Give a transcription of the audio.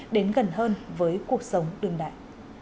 đến gần hơn với cuộc sống đương đại